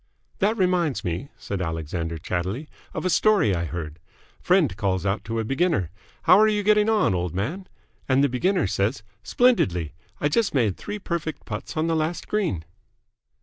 "That reminds me," said Alexander, chattily, "of a story I heard. Friend calls out to a beginner, 'How are you getting on, old man?' and the beginner says, 'Splendidly. I just made three perfect putts on the last green!'"